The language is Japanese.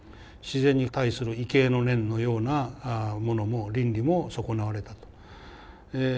自然に対する畏敬の念のようなものも倫理も損なわれたと。